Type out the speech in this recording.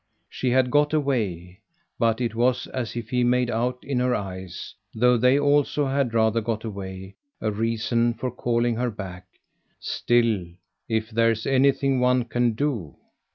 She had got away, but it was as if he made out in her eyes though they also had rather got away a reason for calling her back. "Still, if there's anything one can do